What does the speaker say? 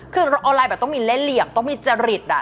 คือออนไลน์แบบต้องมีเล่นเหลี่ยมต้องมีจริต